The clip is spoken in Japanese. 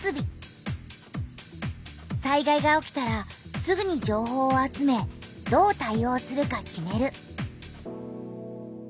災害が起きたらすぐに情報を集めどう対おうするか決める。